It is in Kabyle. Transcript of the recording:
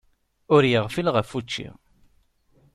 Ur yeɣfil ɣef wučči.